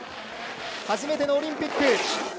初めてのオリンピック。